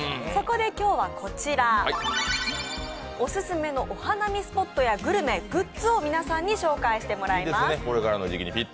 そこは今日はオススメのお花見スポットやグルメ、グッズを皆さんに御紹介していただきます。